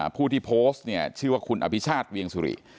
ผู้ที่โพสต์เนี่ยชื่อว่าคุณอภิชาติเวียงสุริ